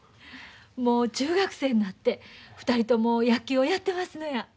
もう中学生になって２人とも野球をやってますのや。